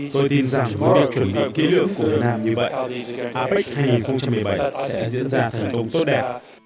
tôi tin rằng với việc chuẩn bị kỹ lưỡng của việt nam như vậy apec hai nghìn một mươi bảy sẽ diễn ra thành công tốt đẹp